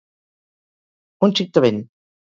Un xic de vent.